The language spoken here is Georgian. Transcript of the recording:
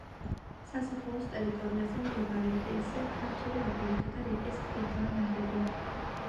სასაფლაოს ტერიტორიაზე მდებარე ეკლესია ქართული აგურითა და რიყის ქვითაა ნაგები.